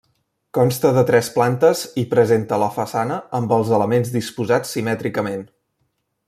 Consta de tres plantes i presenta la façana amb els elements disposats simètricament.